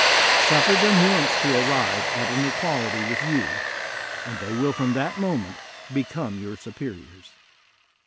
Suffer them once to arrive at an equality with you, and they will from that moment become your su periors.